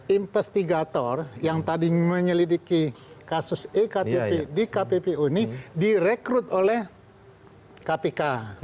investigator yang tadi menyelidiki kasus e kpp di kpu kpu ini direkrut oleh kpk